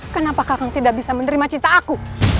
kenapa kamu tidak bisa menerima cinta aku